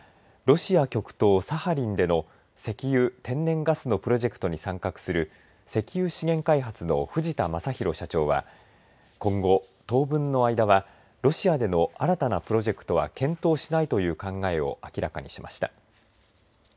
ロシア極東サハリンでの石油・天然ガスのプロジェクトに参画する石油資源開発の藤田昌宏社長は今後、当分の間はロシアでの新たなプロジェクトは検討しないという考えを明らかにしました。